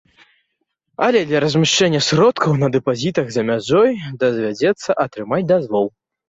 Але для размяшчэння сродкаў на дэпазітах за мяжой давядзецца атрымліваць дазвол.